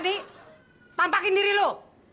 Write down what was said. tapi tampakin diri lu